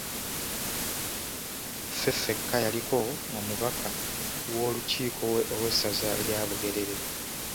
Feffeka yaliko omubaka w’olukiiko ow’essaza lya Bugerere.